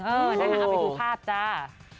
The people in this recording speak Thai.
เอาไปดูภาพจ้า